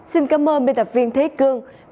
xin cảm ơn biên tập viên thế cương